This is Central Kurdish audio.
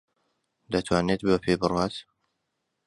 دەتوانێت بە پێ بڕوات.